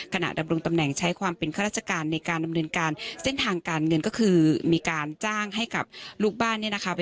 ดำรงตำแหน่งใช้ความเป็นข้าราชการในการดำเนินการเส้นทางการเงินก็คือมีการจ้างให้กับลูกบ้านเนี่ยนะคะ